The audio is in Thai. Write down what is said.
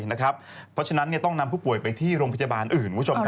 เพราะฉะนั้นต้องนำผู้ป่วยไปที่โรงพยาบาลอื่นคุณผู้ชม